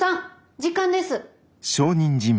時間です。